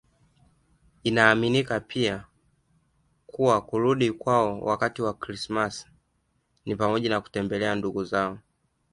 Inaaminika pia kuwa kurudi kwao wakati wa Krismasi ni pamoja na kutembelea ndugu zao